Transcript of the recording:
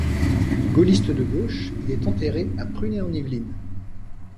Gaulliste de gauche, il est enterré à Prunay-en-Yvelines.